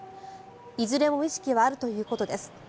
いずれも意識はあるということです。